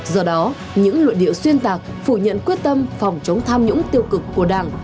do đó những lội địa xuyên tạc phủ nhận quyết tâm phòng chống tham nhũng tiêu cực của đảng